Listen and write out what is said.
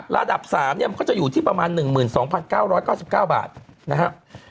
ระดับ๓เนี่ยมันก็จะอยู่ที่ประมาณ๑๒๙๙๙บาทนะครับ